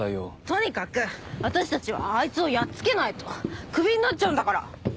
とにかく私たちはあいつをやっつけないとクビになっちゃうんだから。